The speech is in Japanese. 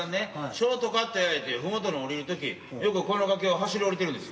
ショートカットやいうて麓に下りるときよくこの崖を走り下りてるんです。